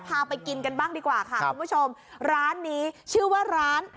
พาไปกินกันบ้างดีกว่าค่ะคุณผู้ชมร้านนี้ชื่อว่าร้าน